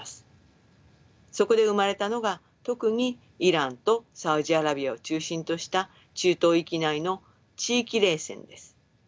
そこで生まれたのが特にイランとサウジアラビアを中心とした中東域内の地域冷戦です。